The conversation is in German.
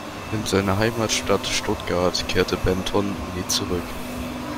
In seine Heimatstadt Stuttgart kehrte Benton nie zurück.